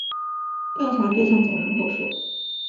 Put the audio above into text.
调查对象总人口数